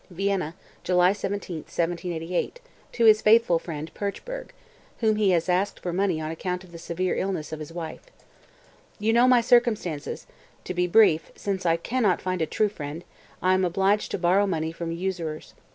(Vienna, July 17, 1788, to his faithful friend, Puchberg, whom he has asked for money on account of the severe illness of his wife.) 223. "You know my circumstances; to be brief, since I can not find a true friend, I am obliged to borrow money from usurers.